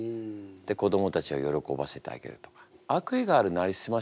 で子どもたちを喜ばせてあげるとか。